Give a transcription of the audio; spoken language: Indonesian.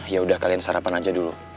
yaudah kalian sarapan aja dulu